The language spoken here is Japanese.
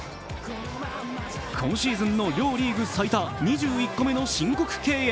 今シーズンの両リーグ最多２１個目の申告敬遠。